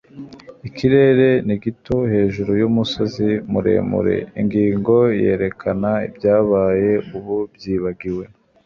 Ikirere ni gito hejuru yumusozi muremure. Ingingo yerekana ibyabaye ubu byibagiwe.